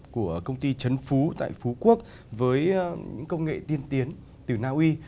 của công ty trấn phú tại phú quốc với những công nghệ tiên tiến từ naui